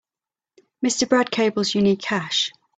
Mr. Brad cables you need cash.